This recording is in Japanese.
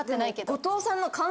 後藤さんの。